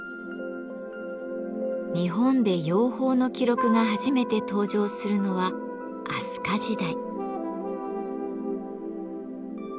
日本で養蜂の記録が初めて登場するのは飛鳥時代。